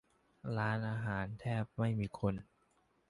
ร้านอาหารแทบไม่มีคน